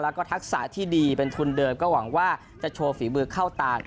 แล้วก็ทักษะที่ดีเป็นทุนเดิมก็หวังว่าจะโชว์ฝีมือเข้าตาน